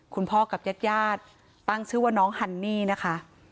คุณพ่อกับญาติญาติตั้งชื่อว่าน้องฮันนี่นะคะ